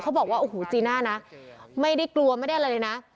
บอกว่าโอ้โหจีน่านะไม่ได้กลัวไม่ได้อะไรเลยนะ